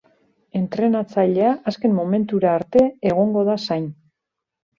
Entrenatzailea azken momentura arte egongo da zain.